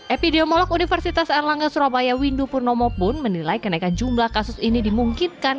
epidemiolog universitas erlangga surabaya windu purnomo pun menilai kenaikan jumlah kasus ini dimungkinkan